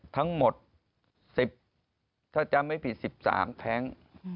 ทั้งหมดสิบถ้าจำไม่ผิดสิบสามแท้ง